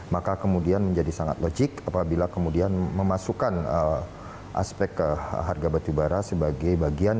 maka kemudian menjadi sangat logik apabila kemudian memasukkan aspek ke harga batubara sebagai bagian